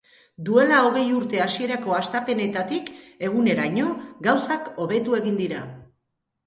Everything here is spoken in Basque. Duela hogei urte hasierako hastapenetatik eguneraino, gauzak hobetu egin dira.